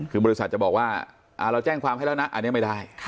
คือบริษัทจะบอกว่าเราแจ้งความให้แล้วนะอันนี้ไม่ได้